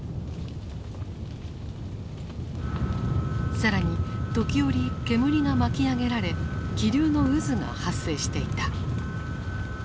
更に時おり煙が巻き上げられ気流の渦が発生していた。